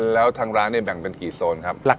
แล้วทางร้านเนี่ยแบ่งเป็นกี่โซนครับ